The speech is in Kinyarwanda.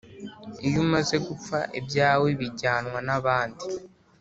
iyo umaze gupfa ibyawe bijyanwa n'abandi